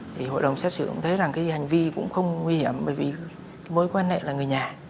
thì hội đồng xét xử cũng thấy rằng cái hành vi cũng không nguy hiểm bởi vì mối quan hệ là người nhà